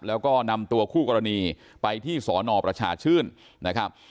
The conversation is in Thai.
แล้วก็นำตัวคู่กรณีไปที่สนประชาชื่นนะครับ